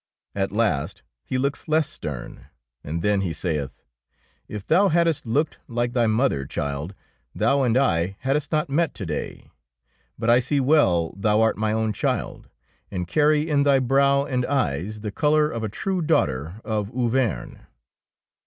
At last he looks less stern, and then he saith, " If thou hadst looked like thy mother, child, thou and I hadst not met to day. But I see well thou art my own child, and carry in thy brow and eyes the colour of a true daughter of Auvergne."